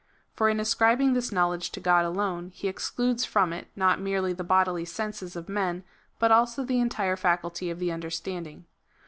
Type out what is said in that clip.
For in ascribing this knowledge to God alone, he excludes from it not merely the bodily senses of men, but also the entire faculty of the understanding.